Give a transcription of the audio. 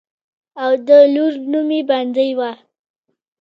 او د لور نوم يې بندۍ وۀ